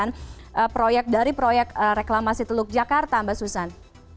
dan ini juga berbeda dengan proyek dari proyek reklamasi teluk jakarta mbak susan